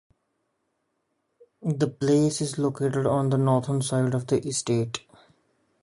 The palace is located on the northern side of the estate.